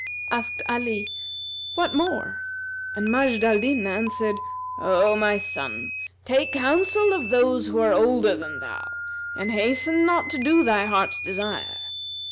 '" Asked Ali, "What more?" And Majd al Din answered, "O my son, take counsel of those who are older than thou and hasten not to do thy heart's desire.